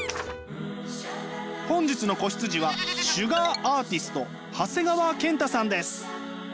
本日の子羊はシュガーアーティスト長谷川健太さんです。